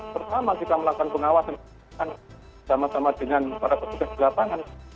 pertama kita melakukan pengawasan sama sama dengan para petugas di lapangan